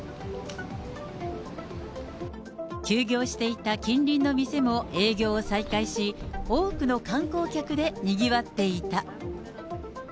休業していた近隣の店も営業を再開し、多くの観光客でにぎわっていた。